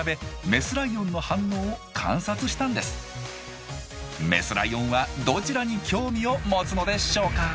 メスライオンはどちらに興味を持つのでしょうか？